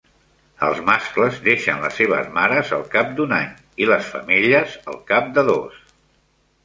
Els mascles deixen les seves mares al cap d'un any i les femelles al cap de dos.